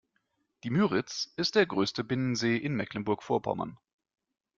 Die Müritz ist der größte Binnensee in Mecklenburg Vorpommern.